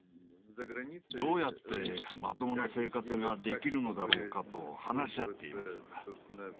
どうやって、まともな生活ができるのだろうかと話し合っています。